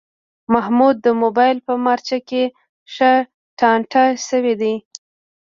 محمود د مبایل په مارچه کې ښه ټانټه شوی دی.